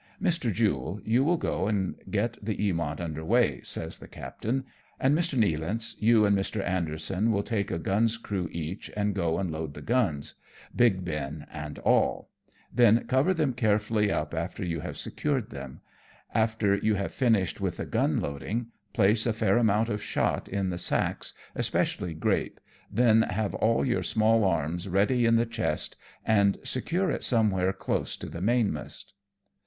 Mr. Jule, you will go and get the Eamont under weigh," says the captain ;" and, Mr. Nealance, you and Mr. Anderson will take a gun's crew each, and go and load the guns, Big Ben and all ; then cover them carefully up after you have secured them. After you have finished with the gun loading, place a fair amount of shot in the sacks, especially grape, then have all your small arms ready in the chest, and secure it somewhere close to the mainmast."